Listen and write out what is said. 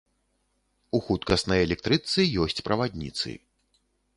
У хуткаснай электрычцы ёсць правадніцы.